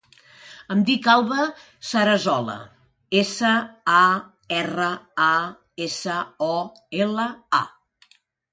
Em dic Alba Sarasola: essa, a, erra, a, essa, o, ela, a.